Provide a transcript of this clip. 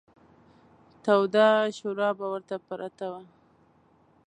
توده شوروا به ورته پرته وه.